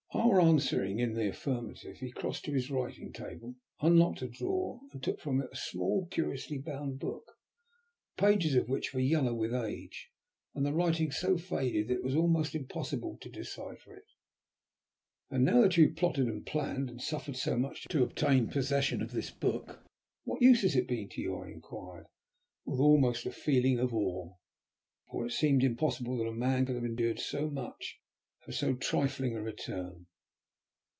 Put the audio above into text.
On our answering in the affirmative he crossed to his writing table, unlocked a drawer, and took from it a small curiously bound book, the pages of which were yellow with age, and the writing so faded that it was almost impossible to decipher it. "And now that you have plotted and planned, and suffered so much to obtain possession of this book, what use has it been to you?" I inquired, with almost a feeling of awe, for it seemed impossible that a man could have endured so much for so trifling a return.